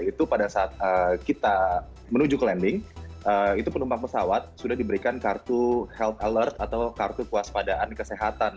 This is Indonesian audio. itu pada saat kita menuju ke landing itu penumpang pesawat sudah diberikan kartu health alert atau kartu kuas padaan kesehatan